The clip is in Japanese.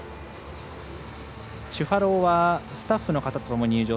チュファロウはスタッフの方と入場。